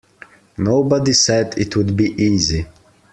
Nobody said it would be easy.